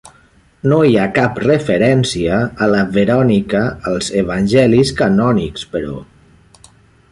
No hi ha cap referència a la Verònica als Evangelis canònics, però.